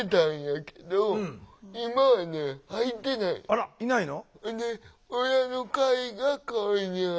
あらいないの？